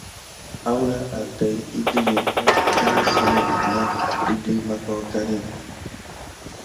Awula an tät ikili kena sikina didé kaouzeni.